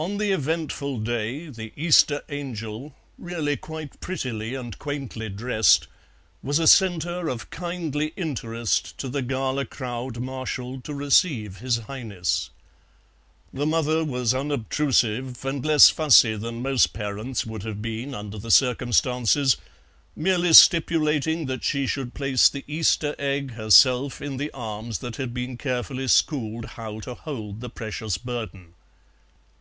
On the eventful day the Easter angel, really quite prettily and quaintly dressed, was a centre of kindly interest to the gala crowd marshalled to receive his Highness. The mother was unobtrusive and less fussy than most parents would have been under the circumstances, merely stipulating that she should place the Easter egg herself in the arms that had been carefully schooled how to hold the precious burden.